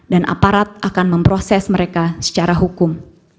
dan aparat akan memproses mereka secara hukum